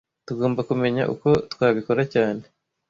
Tugomba kumenya uko twabikora cyane